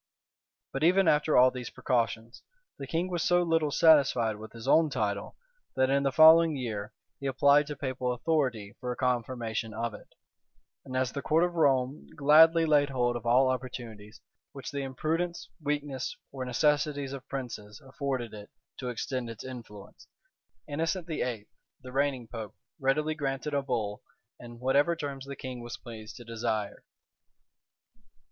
But even after all these precautions, the king was so little satisfied with his own title, that in the following year, he applied to papal authority for a confirmation of it; and as the court of Rome gladly laid hold of all opportunities which the imprudence, weakness, or necessities of princes afforded it to extend its influence, Innocent VIII., the reigning pope, readily granted a bull, in whatever terms the king was pleased to desire.